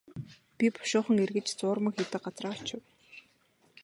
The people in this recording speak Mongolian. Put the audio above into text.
Би бушуухан эргэж зуурмаг хийдэг газраа очив.